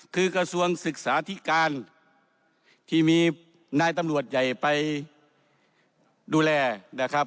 คือกระทรวงศึกษาธิการที่มีนายตำรวจใหญ่ไปดูแลนะครับ